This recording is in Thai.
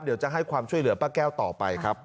เดี๋ยวจะให้ความช่วยเหลือป้าแก้วต่อไปครับ